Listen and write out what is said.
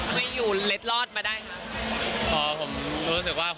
ไม่อยู่เล็ดรอดมาได้ครับ